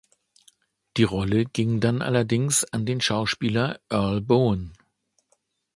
Die Rolle ging dann allerdings an den Schauspieler Earl Boen.